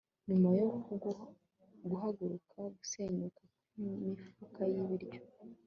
nyuma yo guhaguruka, gusenyuka kw'imifuka y'ibiryo